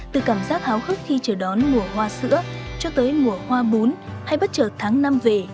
từ cảm giác háo hức khi chờ đón mùa hoa sữa cho tới mùa hoa bún hay bất chợt tháng năm về